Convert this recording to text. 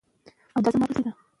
روغتونونه ناروغان مني.